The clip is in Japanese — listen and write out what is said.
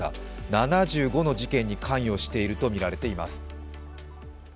７５の事件に関与しているとみられています。